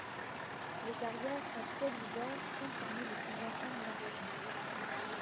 Les carrières à ciel ouvert comptent parmi les plus anciennes de la région.